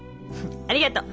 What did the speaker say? ありがとう。